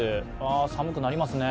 寒くなりますね。